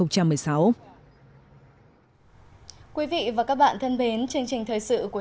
cảm ơn quý vị và các bạn đã quan tâm theo dõi